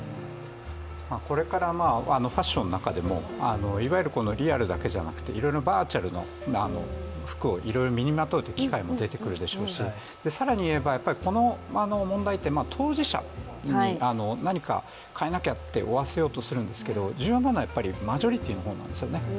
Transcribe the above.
これからファッションなんかでもいわゆるリアルだけじゃなくていろいろなバーチャルな服を身にまとうという機会も出てくるでしょうし更に言えば、この問題って、当事者に何か変えなきゃって負わせようとするんですけれども重要なのはマジョリティーの方なんですよね。